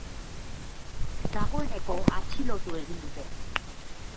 Dagoeneko atxilotu egin dute.